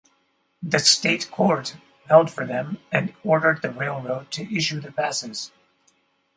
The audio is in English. The state court held for them, and ordered the railroad to issue the passes.